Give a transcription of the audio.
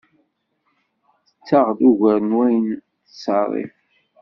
Tettaɣ ugar n wayen tettṣerrif.